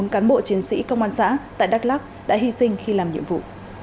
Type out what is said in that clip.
bốn cán bộ chiến sĩ công an xã tại đắk lắc đã hy sinh khi làm nhiệm vụ